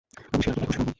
আমি শেয়ার করলে খুশি হবো।